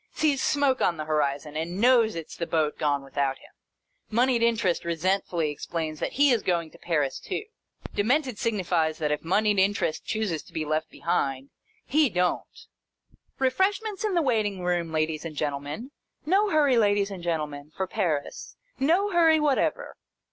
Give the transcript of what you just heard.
Sees smoke on the horizon, and " knows " it 's the boat gone without him. Monied Interest resentfully explains that he is going to Paris too. Demented signifies that if Monied Interest chooses to be left behind, he don't, " Refreshments in the Waiting Room, ladies and gentlemen. No hurry, ladies and gentle men, for Paris. No hurry whatever